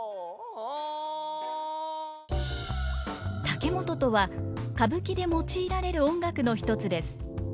竹本とは歌舞伎で用いられる音楽の一つです。